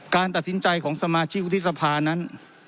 การตัดสินใจของสมาชิกวุฒิสภานั้น